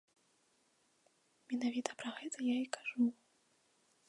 Менавіта пра гэта я і кажу.